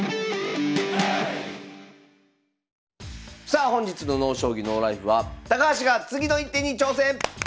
さあ本日の「ＮＯ将棋ＮＯＬＩＦＥ」は高橋が次の一手に挑戦！